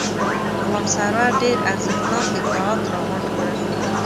غلام سرور ډېر ارزښتناک اطلاعات راغونډ کړل.